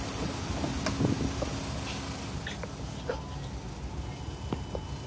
英国纵贯铁路是英国的一家铁路客运公司。